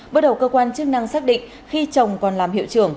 bước đầu cơ quan chức năng xác định khi chồng còn làm hiệu trưởng